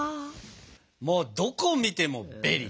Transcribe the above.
もうどこ見てもベリー。